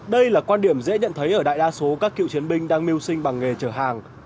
đây là quan điểm dễ nhận thấy ở đại đa số các cựu chiến binh đang mưu sinh bằng nghề chở hàng